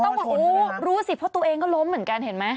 อันนี้มันต้องรู้ตัวใช่ไหมว่าต้องบอกอู้รู้สิเพราะตัวเองก็ล้มเหมือนกันเห็นไหม